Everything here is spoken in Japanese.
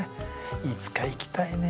いつか行きたいね。